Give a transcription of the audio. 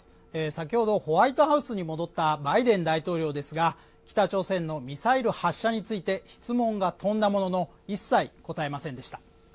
先程ホワイトハウスに戻ったバイデン大統領ですが北朝鮮のミサイル発射について質問が飛んだものの一切答えませんでした